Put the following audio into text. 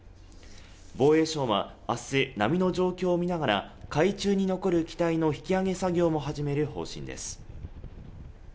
防衛省は、明日波の状況を見ながら海中に残る機体の引き揚げ作業も始める方針です。